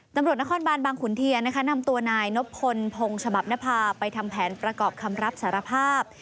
ตำรวจนครบานบางขุนเทียนนะคะนำตัวนายนบพลพงฉบับนภาไปทำแผนประกอบคำรับสารภาพ